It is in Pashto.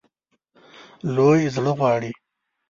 لوی زړه غواړي.